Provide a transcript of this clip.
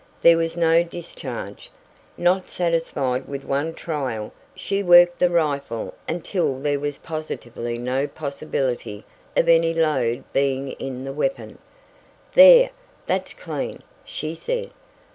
There was no discharge. Not satisfied with one trial she worked the rifle until there was positively no possibility of any load being in the weapon. "There, that's clean," she said.